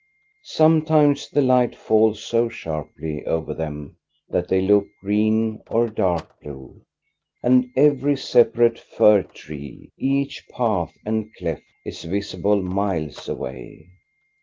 Sometimes the light falls so sharply over them that they look green or dark blue, and every sepa rate fir tree, each path and cleft, is visible miles away.